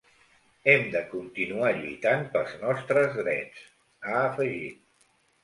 Hem de continuar lluitant pels nostres drets, ha afegit.